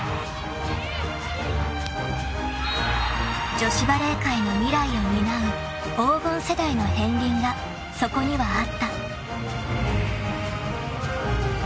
［女子バレー界の未来を担う黄金世代の片りんがそこにはあった］